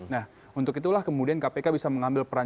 nah untuk itulah kemudian kpk bisa mengambil peran